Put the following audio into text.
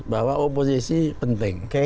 bahwa oposisi penting